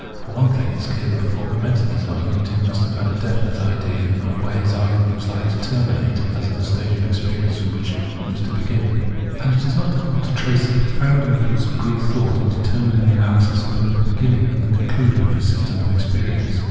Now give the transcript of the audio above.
For one thiijig, it is clear that before commencing his argument he must have had as definite an idea of where his argument was to terminate as of the stage of experience fr(;)m which to begin. And it is not difficult to trace the profound influence of Greek thought in determin;[ng the analysis of both the beginning and the conclusijon of his system of experience.